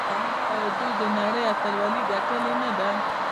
آیا دوی د نړۍ اتلولي ګټلې نه ده؟